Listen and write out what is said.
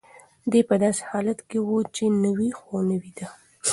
دی په داسې حالت کې و چې نه ویښ و او نه ویده.